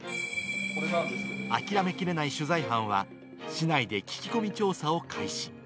諦めきれない取材班は、市内で聞き込み調査を開始。